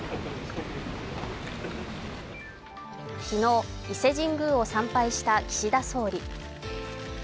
昨日伊勢神宮を参拝した岸田総理。